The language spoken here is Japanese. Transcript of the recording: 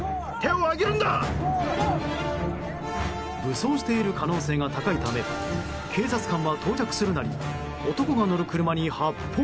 武装している可能性が高いため警察官は到着するなり男が乗る車に発砲。